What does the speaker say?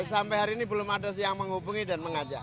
sampai hari ini belum ada yang menghubungi dan mengajak